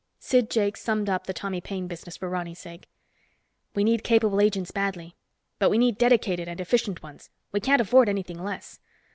Sid Jakes summed up the Tommy Paine business for Ronny's sake. "We need capable agents badly, but we need dedicated and efficient ones. We can't afford anything less.